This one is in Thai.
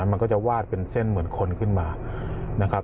มันก็จะวาดเป็นเส้นเหมือนคนขึ้นมานะครับ